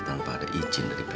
tanpa ada izin dari pp